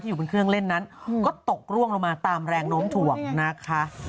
อยู่บนเครื่องเล่นนั้นก็ตกร่วงลงมาตามแรงโน้มถ่วงนะคะ